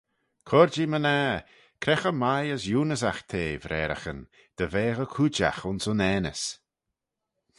Cur-jee my-ner, cre cha mie as eunyssagh te: vraaraghyn, dy vaghey cooidjagh ayns unnaneys.